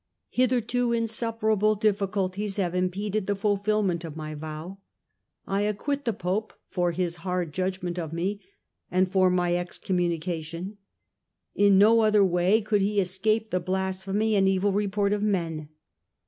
Hitherto insuperable diffi culties have impeded the fulfilment of my vow. I acquit the Pope for his hard judgment of me and for my excommunication ; in no other way could he escape the blasphemy and evil report of men.